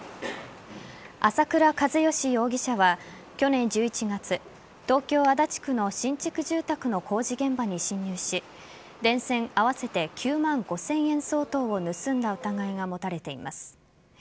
朝倉一嘉容疑者は去年１１月、東京・足立区の新築住宅の工事現場に侵入し電線合わせて９万５０００円相当を盗んだ疑いが持たれています。